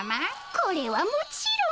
これはもちろん？